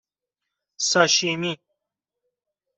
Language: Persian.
ساشیمی